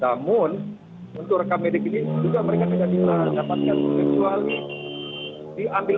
namun untuk rekam medik ini juga mereka bisa didapatkan sebesar